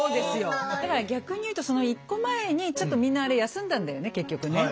だから逆に言うとその一個前にちょっとみんなあれ休んだんだよね結局ね。